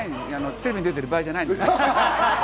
テレビに出てる場合じゃないです！